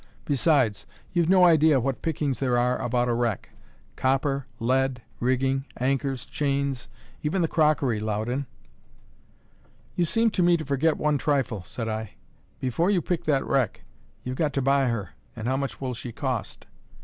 Besides, you've no idea what pickings there are about a wreck copper, lead, rigging, anchors, chains, even the crockery, Loudon!" "You seem to me to forget one trifle," said I. "Before you pick that wreck, you've got to buy her, and how much will she cost?"